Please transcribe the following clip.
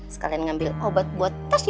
sekalian ambil obat buat tas ya